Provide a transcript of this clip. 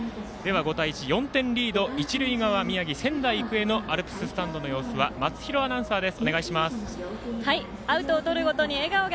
５対１、４点リード一塁側、宮城の仙台育英のアルプススタンドの様子は松廣アナウンサーです。